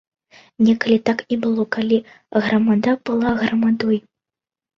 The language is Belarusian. Некалі так і было, калі грамада была грамадой.